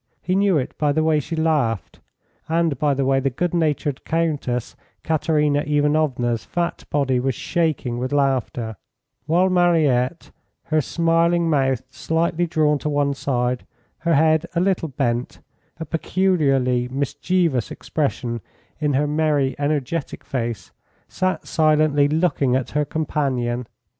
He knew it by the way she laughed, and by the way the good natured Countess Katerina Ivanovna's fat body was shaking with laughter; while Mariette, her smiling mouth slightly drawn to one side, her head a little bent, a peculiarly mischievous expression in her merry, energetic face, sat silently looking at her companion.